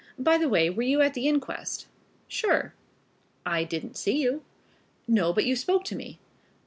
"By the way, were you at the inquest?" "Sure." "I didn't see you." "No, but you spoke to me."